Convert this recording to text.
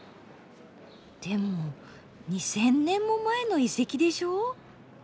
でも２，０００年も前の遺跡でしょう？